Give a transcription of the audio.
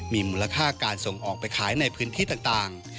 มีมูลค่าการส่งออกไปขายในพื้นที่ต่าง